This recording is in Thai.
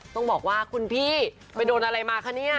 ต้องบอกว่าคุณพี่ไปโดนอะไรมาคะเนี่ย